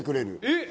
えっ？